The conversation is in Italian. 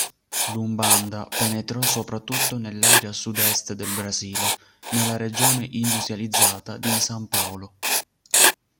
L'Umbanda penetrò soprattutto nell'area sud-est del Brasile, nella regione industrializzata di San Paolo.